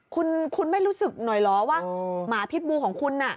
คุณไม่รู้สึกหน่อยเหรอว่าหมาพิษบูของคุณน่ะ